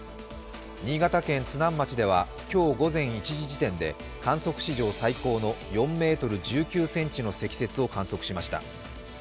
新潟県津南町では、今日午前１時すぎ時点で観測史上最高の４ｍ１９ｃｍの積雪を観測しました。